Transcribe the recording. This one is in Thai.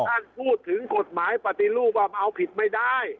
ท่านพูดถึงกฎหมายปฏิรูปว่ามาเอาผิดไม่ได้